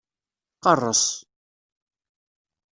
Qerres!